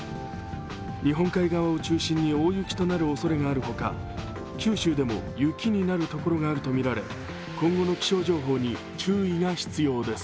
日本海側を中心に大雪となるおそれがある他、九州でも雪になるところがあるとみられ今後の気象情報に注意が必要です。